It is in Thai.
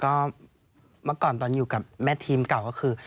ก็เมื่อก่อนตอนอยู่กับแม่ทีมเก่าก็คือ